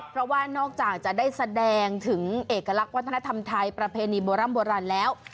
เพราะว่านอกจากจะได้แสดงถึงเอกลักษณ์วัฒนธรรมไทยประเพณีโบร่ำโบราณแล้ว